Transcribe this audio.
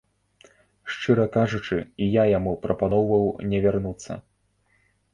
Шчыра кажучы, і я яму прапаноўваў не вярнуцца.